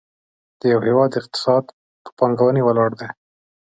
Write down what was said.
د یو هېواد اقتصاد په پانګونې ولاړ دی.